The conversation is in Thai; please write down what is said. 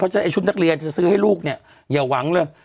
ฉะชุดนักเรียนจะซื้อให้ลูกเนี่ยอย่าหวังเลย